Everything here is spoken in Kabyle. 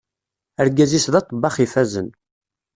Argaz-is d aḍebbax ifazen.